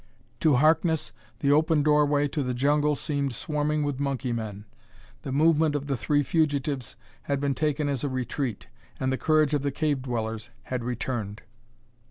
To Harkness the open doorway to the jungle seemed swarming with monkey men. The movement of the three fugitives had been taken as a retreat, and the courage of the cave dwellers had returned.